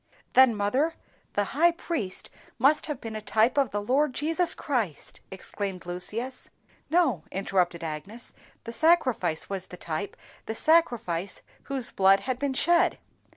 _" "Then, mother, the high priest must have been a TYPE of the Lord Jesus Christ!" exclaimed Lucius. "No," interrupted Agnes, "the sacrifice was the type, the sacrifice whose blood had been shed."